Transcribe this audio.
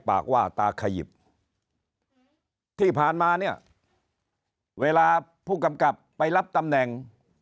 ปากว่าตาขยิบที่ผ่านมาเนี่ยเวลาผู้กำกับไปรับตำแหน่ง